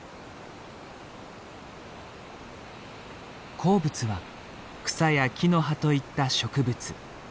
好物は草や木の葉といった植物。